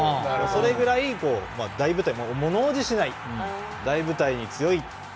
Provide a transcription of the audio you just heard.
それくらい大舞台でものおじしない、大舞台に強い。